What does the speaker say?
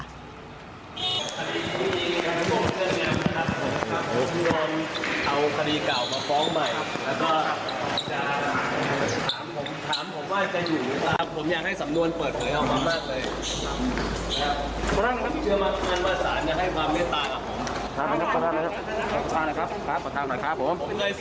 ได้ไหมครับครับทางไปผม